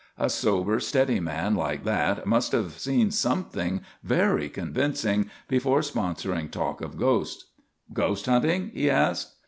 A sober, steady man like that must have seen something very convincing before sponsoring talk of ghosts. "Ghost hunting?" he asked.